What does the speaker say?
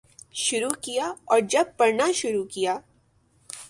شروع کیا اور جب پڑھنا شروع کیا